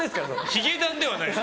ヒゲダンではないです。